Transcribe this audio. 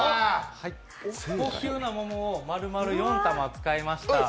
最高級の桃を丸々４個使いました